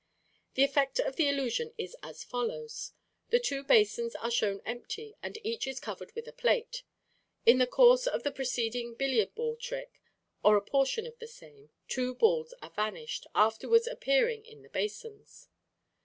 The effect of the illusion is as follows: The two basins are shown empty and each is covered with a plate. In the course of the preceding billiard ball trick, or a portion of the same, two balls are vanished, afterwards appearing in the basins.